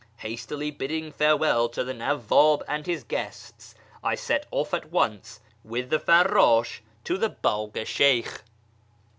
Hastily bidding fare well to the Nawwab and his guests, I set off at once with the farrdsh to the Bagh i Sheykh.